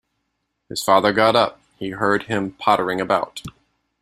His father got up; he heard him pottering about.